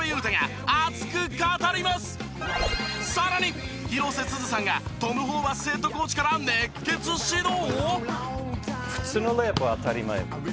さらに広瀬すずさんがトム・ホーバスヘッドコーチから熱血指導！？